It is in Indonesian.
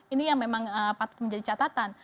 ini yang memang patut menjadi catatan